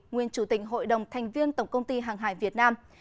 nguyên chủ tịch hội đồng thành viên tổng công ty hàng hải việt nam